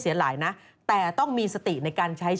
โอลี่คัมรี่ยากที่ใครจะตามทันโอลี่คัมรี่ยากที่ใครจะตามทัน